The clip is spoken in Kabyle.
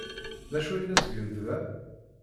D acu ay la ttgent da?